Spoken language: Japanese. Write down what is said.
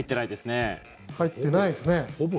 入ってないですね。